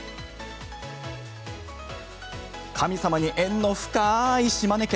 神様に縁の深い島根県。